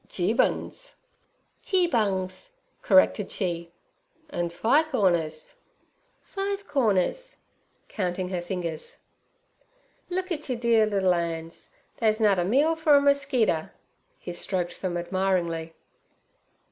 'Geebun's.' 'Geebungs' corrected she. 'An' fi' corners.' 'Five corners' counting her fingers. 'Look et yer dear liddle 'ands! They's nut a meal for a merskeeter.' He stroked them admiringly.